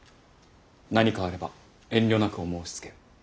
何かあれば遠慮なくお申しつけを。